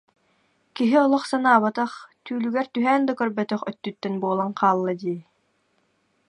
Киһи олох санаабатах, түүлүгэр түһээн да көрбөтөх өттүттэн буолан хаалла дии